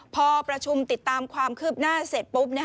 พอประชุมติดตามความคืบหน้าเสร็จปุ๊บ